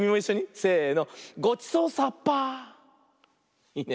せの。